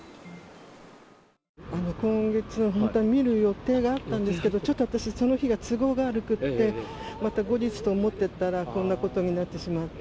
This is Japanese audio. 今月、本当に見る予定があったんですけど、ちょっと私、その日が都合が悪くて、また後日と思ってたら、こんなことになってしまって。